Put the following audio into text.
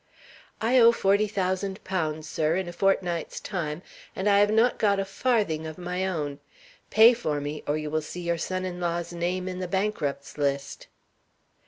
"I owe forty thousand pounds, sir, in a fortnight's time, and I have not got a farthing of my own. Pay for me, or you will see your son in law's name in the Bankrupt's List."